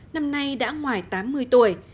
năm nay đã ngoài tám mươi tuổi